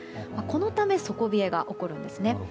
このため底冷えが起こるんですね。